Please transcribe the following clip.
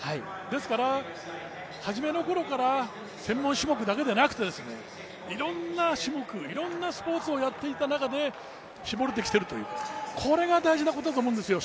ですから初めの頃から専門種目だけではなくて、いろんな種目、いろんなスポーツをやってきた中で絞れてきているという、これが大事なことだと思うんですよ。